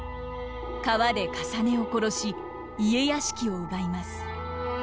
川で累を殺し家屋敷を奪います。